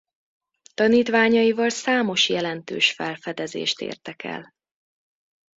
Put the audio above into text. Tanítványaival számos jelentős felfedezést értek el.